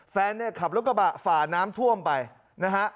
แฟนขับรถกระบะฝ่าน้ำถ้วนไปนะฮะ